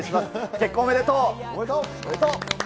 結婚おめでとう。